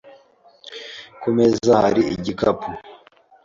Ku meza hari igikapu .